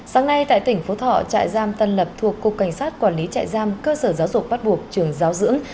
sáng nay tại tỉnh phú thọ trại giam tân lập thuộc cục cảnh sát quản lý trại giam cơ sở giáo dục bắt buộc trường giáo dưỡng